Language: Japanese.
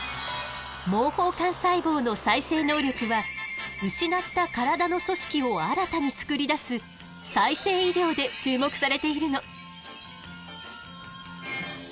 毛包幹細胞の再生能力は失った体の組織を新たに作り出す「再生医療」で注目されているの。